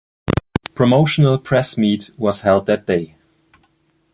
Promotional press meet was held that day.